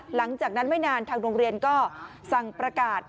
หลังจากนั้นไม่นานทางโรงเรียนก็สั่งประกาศ